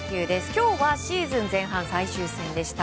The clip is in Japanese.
今日はシーズン前半最終戦でした。